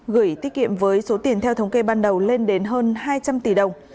gửi tiết kiệm với số tiền theo thống kê ban đầu lên đến hơn hai trăm linh tỷ đồng